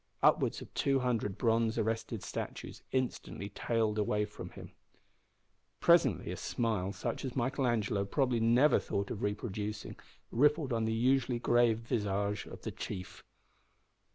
Upwards of two hundred bronze arrested statues instantly tailed away from him. Presently a smile, such as Michael Angelo probably never thought of reproducing, rippled on the usually grave visage of the chief.